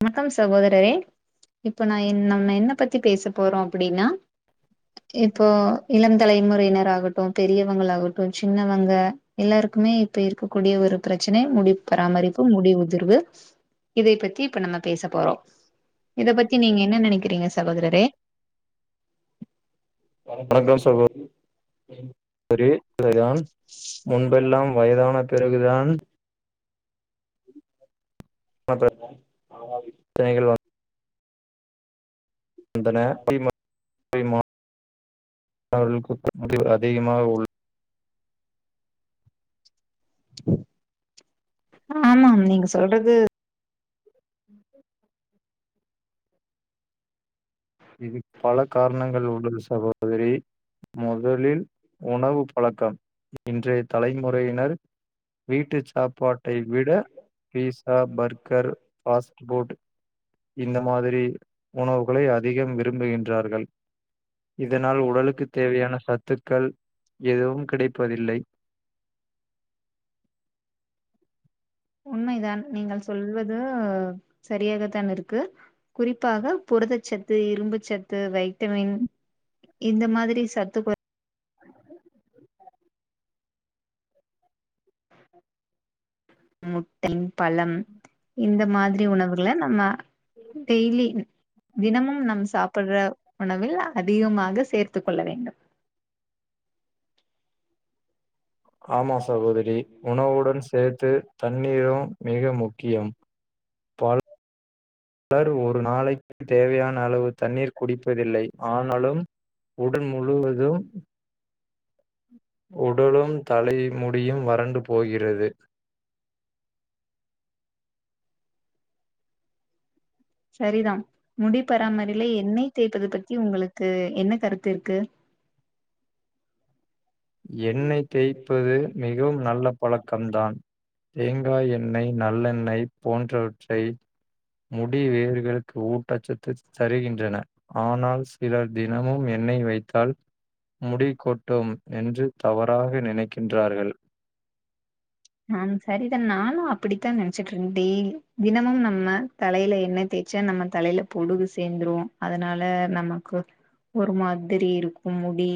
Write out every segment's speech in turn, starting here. வணக்கம் சகோதரரே இப்ப நான் நம்ம என்ன பத்தி பேச போறோ அப்படின்னா இப்போ இளம் தலைமுறையினர் ஆகட்டு பெரியவங்கள ஆகட்டு சின்னவங்க எல்லாருக்குமே இப்ப இருக்கக்கூடிய ஒரு பிரச்சன முடி பராமரிப்பு முடி உதிர்வு இதை பத்தி இப்ப நம்ம பேச போறோ இத பத்தி நீங்க என்ன நினைக்கிறீங்க சகோதரரே வணக்கம் சொல்றது உம் ஒரு [unintelligible] முன்பெல்லாம் வயதான பிறகுதான் அ பிரச்சனைகள் வந்து வந்தன [unintelligible] [unintelligible] மக்களுக்கு முடி அதிகமாக உள்ள ஆமாம் நீங்க சொல்றது இது பல காரணங்கள் உள்ளது சகோதரி முதலில் உணவு பழக்கம் இன்றைய தலைமுறையினர் வீட்டு சப்பாட்டை விட பீஸா பர்கர் ஃபாஸ்ட் ஃபுட் இந்த மாதிரி உணவுகளை அதிகம் விரும்புகின்றார்கள் இதனால் உடலுக்குத் தேவையான சத்துக்கள் எதுவும் கிடைப்பதில்லை உண்மைதான் நீங்கள் சொல்வது சரியாகத்தான் இருக்கு குறிப்பாக புரதச்சத்து இரும்புச்சத்து வைட்டமின் இந்த மாதிரி சத்து [inaudible] முட்டை பழம் இந்த மாதிரி உணவுகள நம்ம டெய்லி தினமும் நம் சாப் பிடற உணவில் அதிகமாக சேர்த்துக் கொள்ள வேண்டும் ஆமா சகோதரி உணவுடன் சேர்த்து தண்ணீரும் மிக முக்கியம் பலர் ஒரு நாளைக்குத் தேவையான அளவு தண்ணீர் குடிப்பதில்லை ஆனாலும் உடல் முழுவதும் ஓ உடலும் தலை முடியும் வறண்டு போகிறது சரிதான் முடி பராமறையில எண்ணெய் தேய்ப்பதை பத்தி உங்களுக்கு என்ன கருத்து இருக்கு எண்ணெய் தேய்ப்பது மிகவும் நல்ல பழக்கம்தான் தேங்காய் எண்ணெய் நல்லெண்ணெய் போன்றவற்றை முடி வேர்களுக்கு ஊட்டச்சத்து தருகின்றன ஆனால் சிலர் தினமும் எண்ணெய் வைத்தால் முடி கொட்டும் என்று தவறாக நினைக்கின்றார்கள் நானு அப்படித்தான் நினைச்சட்டு இருந்தேன் தினமும் நம்ம தலையில எண்ணெய் தேய்ச்சா நம்ம தலையில பொடுகு சேர்ந்துரும் அதனால நமக்கு ஒரு மாதிரி இருக்கும் முடி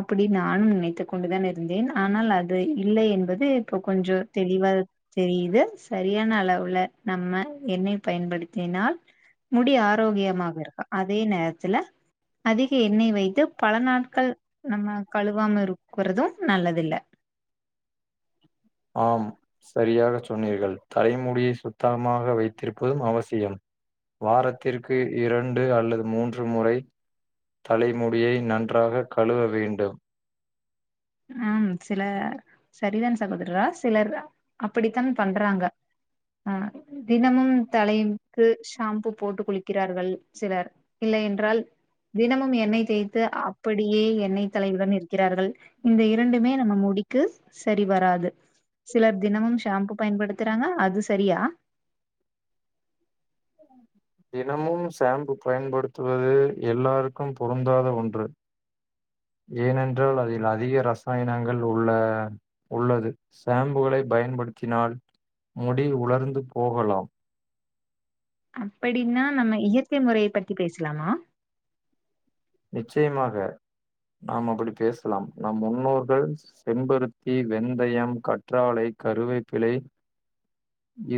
அப்படி நானும் நினைத்து கொண்டுதான் இருந்தேன் ஆனால் அது இல்லை என்பது இப்ப கொஞ்சம் தெளிவா தெரியுது சரியான அளவுல நம்ம எண்ணெய் பயன்படுத்தினால் முடி ஆரோக்கியமாக இருக்கு அதே நேரத்துல அதிக எண்ணெய் வைத்து பல நாட்கள் நம்ம கழுவாம இருக்கறதும் நல்லது இல்ல ஆம் சரியாக சொன்னீர்கள் தலைமுடியை சுத்தமாக வைத்திருப்பதும் அவசியம் வாரத்திற்கு இரண்டு அல்லது மூன்று முறை தலைமுடியை நன்றாக கழுவ வேண்டும் ஹம் சில சரிதான் சகோதரா சிலர் அப்படித்தான் பண்றாங்க ஆஹ் தினமும் தலைக்கு ஷாம்பூ போட்டு குளிக்கிறார்கள் சிலர் இல்லை என்றால் தினமும் எண்ணெய் தேய்த்து அப்படியே எண்ணெய் தலையுடன் இருக்கிறார்கள் இந்த இரண்டுமே நம்ம முடிக்கு சரி வராது சிலர் தினமும் ஷாம்பு பயன்படுத்துறாங்க அது சரியா தினமும் சாம்பு பயன்படுத்துவது எல்லாருக்கும் பொருந்தாத ஒன்று ஏன் என்றால் அதில் அதிக ரசாயன பயணங்கள் உள்ள உள்ளது சாம்புகளை பயன்படுத்தினால் முடி உலர்ந்து போகலாம் அப்படின்னா நம்ம இயற்கை முறையை பத்தி பேசலாமா நிச்சயமாக நாம் அப்படி பேசலாம் நம் முன்னோர்கள் செம்பருத்தி வெந்தயம் கற்றாலை கருவைப்பிழை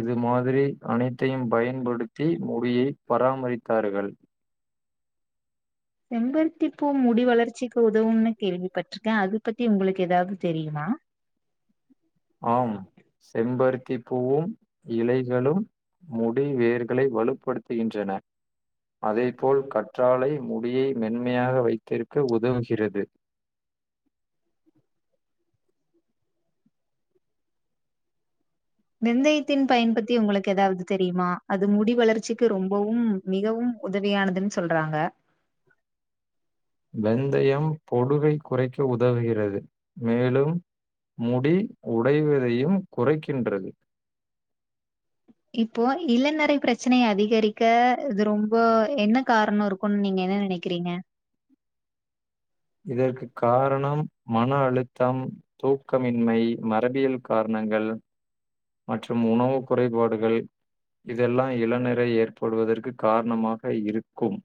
இது மாதிரி அனைத்தையும் பயன்படுத்தி முடியை பராமரித்தார்கள் செம்பருத்தி பூ மு முடி வளர்ச்சிக்கு உதவும்னு கேள்விப்பட்டிருக்கே அது பத்தி உங்களுக்கு ஏதாவது தெரியுமா ஆம் செம்பர் திப் பூவும் இலைகளும் முடிவேர்களை வலுப்படுத்துகின்றன அதேபோல் கற்றாலை முடியை மென்மையாக வைத்திருக்க உதவுகிறது வெந்தயத்தின் பயன் பத்தி உங்களுக்கு ஏதாவது தெரியுமா அது முடி வளர்ச்சிக்கு ரொம்பவும் மிகவும் உதவியானதுன் சொல்றாங்க வெந்தயம் பொடுகை குறைக்க உதவுகிறது மேலும் முடி உடைவதையும் குறைக்கின்றது இப்போ இளநறை பிரச்சனைய அதிகரிக்க இது ரொம்ப என்ன காரணம் இருக்கும்னு நீங்க என்ன நினைக்கிறீங்க இதற்கு காரணம் மன அழுத்தம் தூக்கமின்மை மரபியல் காரணங்கள் மற்றும் உணவு குறைபாடுகள் இதெல்லாம் இளநிறை ஏற்படுவதற்குக் காரணமாக இருக்கும்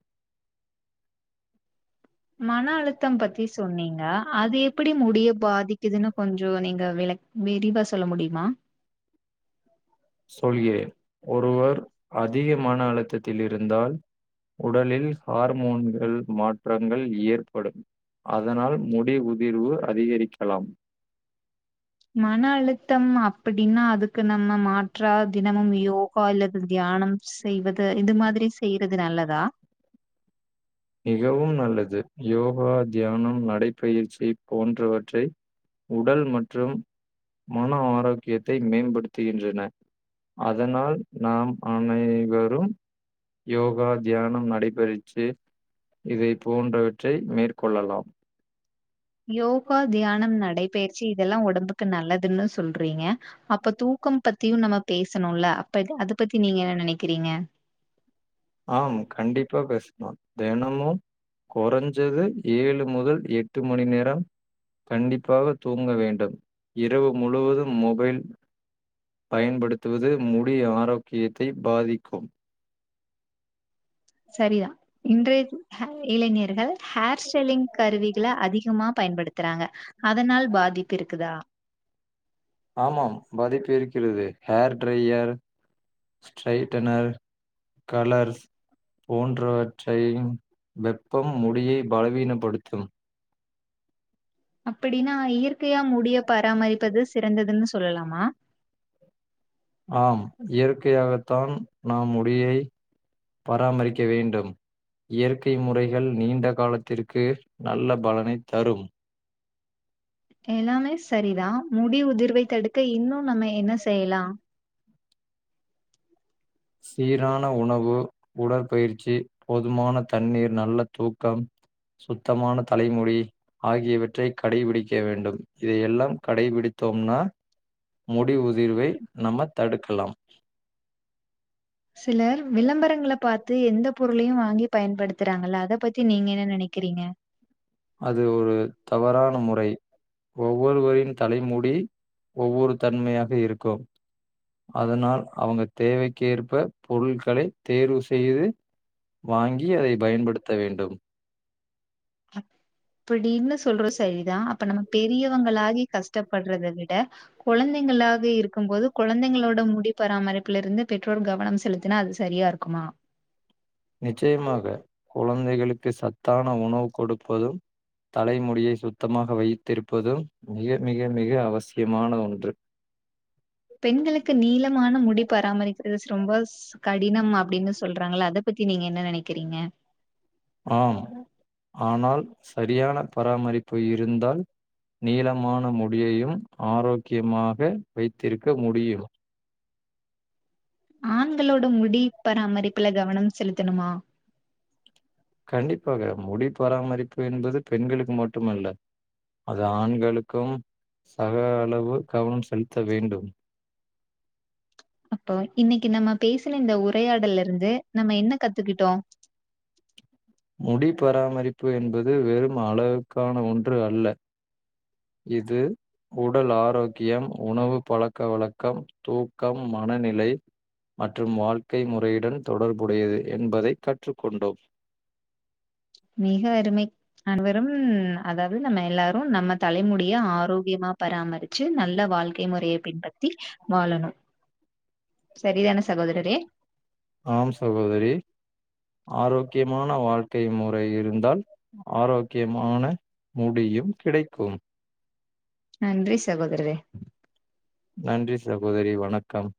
மன அழுத்தம் பத்தி சொன்னீங்க அது எப்படி முடிய பாதிக்குதுன்னு கொஞ்ச நீங்க விளக் விரிவா சொல்ல முடிமா சொல்கிறேன் ஒருவர் அதிகமான அழுத்தத்தில் இருந்தால் உடலில் ஹார்மோன்கள் மாற்றங்கள் ஏற்படும் அதனால் முடி உதிர்வு அதிகரிக்கலாம் மன அழு த்தம் அப்படின்னா அதுக்கு நம்ம மாற்றா தினமும் யோகா அல்லது தியானம் செய்வது இந்த மாதிரி செய்றது நல்லதா மிகவும் நல்லது யோ கா தியானம் நடைப்பயிற்சி போன்றவற்றை உடல் மற்றும் மன ஆரோக்கியத்தை மேம்படுத்துகின்றன அதனால் நாம் அனைவரும் யோகா தியானம் நடைபயிற்சி இதை போன்றவற்றை மேற்கொள்ளலாம் யோகா தியானம் நடைப் பயிற்சி இதெல்லா ஒடம்புக்கு நல்லதுன்னு சொல்றீங்க அப்ப தூக்கம் பத்தியு நம்ம பேசணுல்ல அப்ப இது அது பத்தி நீங்க என்ன நெனைக்கிறீங்க ஆம் கண்டிப்பா பேஸ்லாம் தெனமு கொறஞ்சது ஏழு முதல் எட்டு மணி நேரம் கண்டிப்பாக தூங்க வேண்டும் இரவு முழுவதும் மொபைல் பயன்படுத்துவது முடி ஆரோக்கியத்தை பாதிக்கும் சரி தா இன்றைய [unintelligible] இளைஞர்கள் ஹேர் ஸ்டெல்லிங் கருவிகள அதிகமா பயன்படுத்தறாங்க அதனால் பாதிப்பு இருக்குதா ஆமாம் பாதிப்பு இருக் கிறது ஹேர் ட்ரையர் ஸ்ட்ரைட்டனர் கலர்ஸ் போன்றவற்றையும் வெப்பம் முடியை பலவீனப்படுத்தும் அப்படின்னா இயற் கையா முடிய பராமரிப்பது சிறந்ததுன்னு சொல்லலாமா ஆம் இயற்கையாகத்தான் நாம் முடியை பராமரிக்க வேண்டும் இயற்கை முறைகள் நீண்ட காலத்திற்கு நல்ல பலனை தரும் எல்லாமே சரி தா முடி உதிர்வை தடுக்க இன்னு நம்ம என்ன செய்யலா சீரான உணவு உடற்பயிற்சி போதுமான தண்ணீர் நல்ல தூக்கம் சுத்தமான தலைமுடி ஆகியவற்றை கடைபிடிக்க வேண்டும் இதையெல்லாம் கடைபிடித்தோம்னா முடி உதிர்வை நம்ம தடுக்கலாம் சிலர் விளம்பரங்கள பாத்து எந்த பொருளயு வாங்கி பயன்படுத்தறாங்கல்ல அத பத்தி நீங்க என்ன நெனைக்கறீங்க அது ஒரு தவறான முறை ஒவ்வொருவரின் தலைமுடி ஒவ்வொரு தன்மையாக இருக்கும் அதனால் அவங்க தேவைக்கேற்ப பொருள்களை தேர்வு செய்து வாங்கி அதை பயன்படுத்த வேண்டும் அப் படினு சொல்றோ சரி தா அப்ப நம்ம பெரியவங்களாகி கஷ்டப்படறத விட கொழந்தைங்களாக இருக்கும் போது கொழந்தைங்களோட முடி பராமரிப்புலருந்து பெற்றோர் கவனம் செலுத்தினா அது சரியா இருக்குமா நிச்சயமாக கொழந்தைகளுக் கு சத்தான உணவு கொடுப்பதும் தலைமுடியை சுத்தமாக வைத்திருப்பதும் மிக மிக மிக அவசியமான ஒன்று பெண்களுக்கு நீளமான முடி பராமரிக்கிறது ரொம்ப கடினம் அப்படின்னு சொல்றாங்கள அதை பத்தி நீங்க என்ன நினைக்கிறீங்க ஆம் ஆனால் சரியான பராமரிப்பு இருந்தால் நீளமான முடியையும் ஆரோக்கியமாக வைத்திருக்க முடியும் ஆண்களோட முடி பராமரிப்புல கவனம் செலுத்தணுமா கண்டிப்பாக முடி போராமாரி என்பது பெண்களுக்கு மட்டுமல்ல அது ஆண்களுக்கும் சக அளவு கவனம் செலுத்த வேண்டும் அப்போ இன்னைக்கு நம்ம பேசின இந்த உரையாடல்ல இருந்து நம்ம என்ன கத்துக்கிட்டோம் முடி பராமரிப்பு என்பது வெறும் அழகுக்கான ஒன்று அல்ல இது உடல் ஆரோக்கியம் உணவு பழக்க வழக்கம் தூக்கம் மனநிலை மற்றும் வாழ்க்கை முறையுடன் தொடர்புடையது என்பதைக் கற்றுக்கொண்டோம் மிக அருமை அனைவரும் அதாவது நம்ம எல்லாரும் நம்ம தலைமுடிய ஆரோக்கியமா பராமரிச்சு நல்ல வாழ்க்கை முறையை பின்பற்றி வாழணும் சரிதானே சகோதரரே ஆம் சகோதரி ஆரோக்கியமான வாழ்க்கை முறை இருந்தால் ஆரோக்கியமான முடியும் கிடைக்கும் நன்றி சகோதரரே நன்றி சகோதரி வணக்கம்